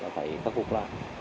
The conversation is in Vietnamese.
phải khắc phục lại